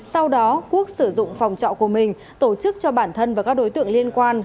sau đó quốc sử dụng phòng trọ của mình tổ chức cho bản thân và các đối tượng liên quan